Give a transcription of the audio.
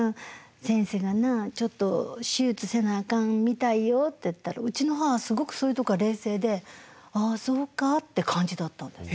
先生がなちょっと手術せなあかんみたいよ」って言ったらうちの母すごくそういうところは冷静で「ああそうか」って感じだったんです。